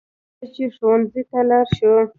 راځه چې ښوونځي ته لاړ شو